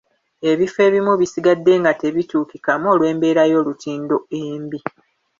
Ebifo ebimu bisigadde nga tebituukikamu olw'embeera y'olutindo embi.